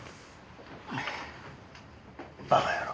バカ野郎。